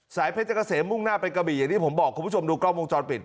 สายเพศจักรเสมมุ่งหน้าเป็นกะบิอย่างที่ผมบอกคุณผู้ชมดูกล้องวงจอดปิด